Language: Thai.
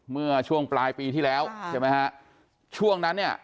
เมื่อช่วงปลายปีที่แล้วใช่ไหมฮะช่วงนั้นเนี่ย